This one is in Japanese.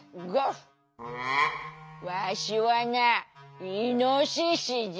わしはなイノシシじゃ！